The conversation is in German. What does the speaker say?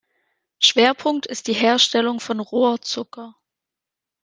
Schwerpunkt ist die Herstellung von Rohrzucker.